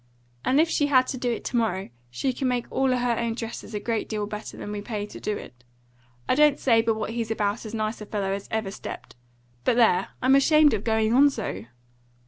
And if she had to do it to morrow, she could make all her own dresses a great deal better than them we pay to do it. I don't say but what he's about as nice a fellow as ever stepped. But there! I'm ashamed of going on so."